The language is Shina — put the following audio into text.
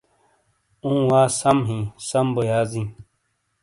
اوں وا سَم ہی سَم بو یازیں۔